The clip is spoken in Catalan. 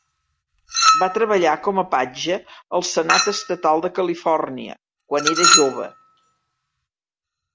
Va treballar com a patge al Senat Estatal de Califòrnia quan era jove.